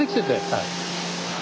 はい。